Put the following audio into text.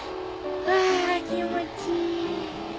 ふぁー気持ちいい。